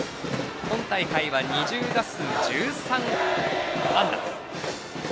今大会は２０打数１３安打。